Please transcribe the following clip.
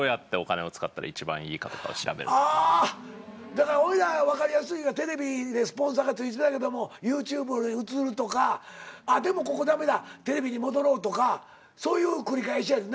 だからおいら分かりやすいテレビでスポンサーがついてたけどもＹｏｕＴｕｂｅに移るとかあっでもここ駄目だテレビに戻ろうとかそういう繰り返しやねんな